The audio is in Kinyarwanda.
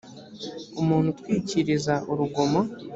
umuntu utwikiriza urugomo